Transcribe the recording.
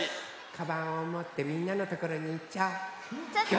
かばんをもってみんなのところにいっちゃおう。